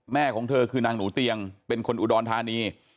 ของเธอคือนางหนูเตียงเป็นคนอุดรธานี